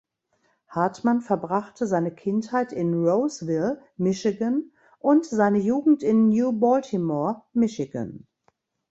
Hartman verbrachte seine Kindheit in Roseville, Michigan, und seine Jugend in New Baltimore, Michigan.